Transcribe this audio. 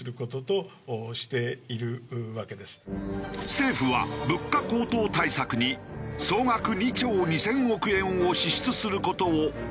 政府は物価高騰対策に総額２兆２０００億円を支出する事を閣議決定。